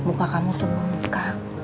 muka kamu semuk